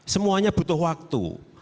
semuanya butuh waktu